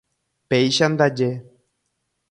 Péicha ndaje.